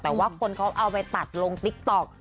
แต่ว่าคนเขาเอาไปตัดลงติ๊กต๊อก